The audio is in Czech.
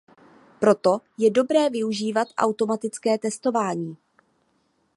Proto je dobré využívat automatické testování.